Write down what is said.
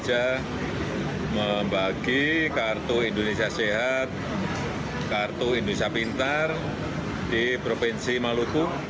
saya membagi kartu indonesia sehat kartu indonesia pintar di provinsi maluku